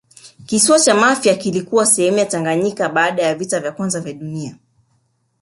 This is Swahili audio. kisiwa cha mafia kilikuwa sehemu ya tanganyika baada ya vita ya kwanza ya dunia